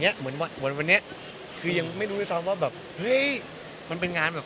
เดี๋ยวคุณไปแย่งเค้าได้ยังไงครับ